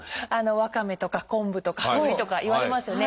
ワカメとか昆布とかのりとかいわれますよね。